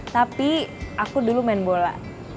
tapi aku dulu main bola